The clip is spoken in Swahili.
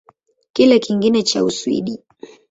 Kilele kingine cha Uswidi